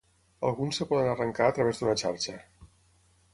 Alguns es poden arrencar a través d'una xarxa.